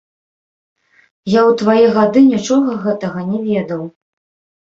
Я ў твае гады нічога гэтага не ведаў.